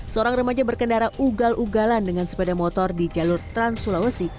seorang remaja berkendara ugal ugalan dengan sepeda motor di jalur trans sulawesi